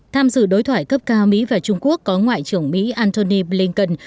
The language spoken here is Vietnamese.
tham dự đối thoại cấp cao mỹ và trung quốc có ngoại trưởng mỹ antony blinken